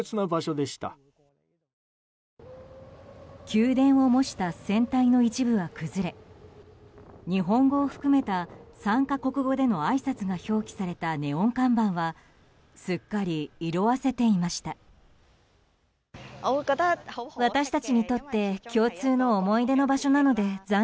宮殿を模した船体の一部は崩れ日本語を含めた３か国語でのあいさつが表記されたネオン看板はすっかり色あせていました。